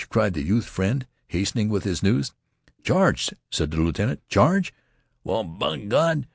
cried the youth's friend, hastening with his news. "Charge?" said the lieutenant. "Charge? Well, b'Gawd!